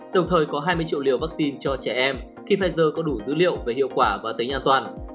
đồng thời có hai mươi triệu liều vaccine cho trẻ em khi pfizer có đủ dữ liệu về hiệu quả và tính an toàn